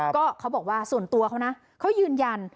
ก็เขาบอกว่าส่วนตัวเขานะเขายืนยัน